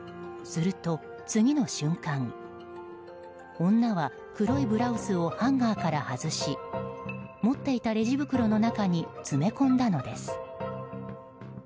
すると次の瞬間女は黒いブラウスをハンガーから外し持っていたレジ袋の中に詰め込んだのです。